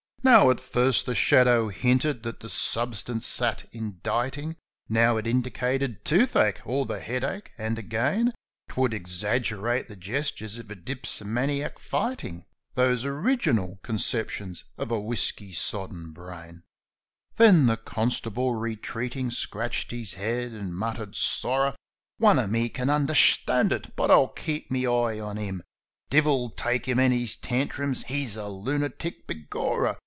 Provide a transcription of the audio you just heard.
Now, at first the shadow hinted that the substance sat inditing ; Now it indicated toothache, or the headache ; and again, Twould exaggerate the gestures of a dipsomaniac fighting Those original conceptions of a whisky sodden brain. CONSTABLE M'CARTY'S INVESTIGATIONS 201 Then the constable, retreating, scratched his head and muttered ' Sorra ' Wan of me can undershtand it. But Oi'll keep me Oi on him, ' Divil take him and his tantrums ; he's a lunatic, begorra